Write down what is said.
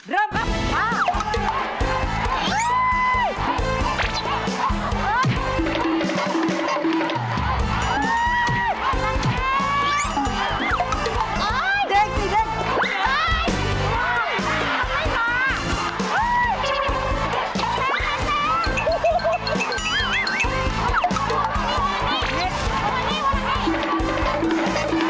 เริ่มครับมา